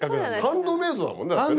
ハンドメイドだもんねだってね。